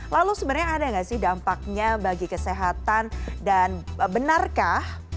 lalu sebenarnya ada nggak sih dampaknya bagi kesehatan dan benarkah